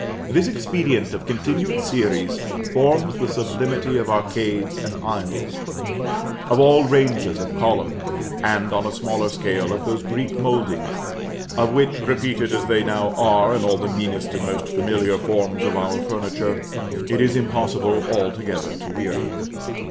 This expedient of continued series forms the sublimity of arcades and aisles, of all ranges of columns, and, on a smaller scale, of those Greek mouldings, of which, repeated as they now are in all the meanest and most familiar forms of our furniture, it is impossible altogether to weary.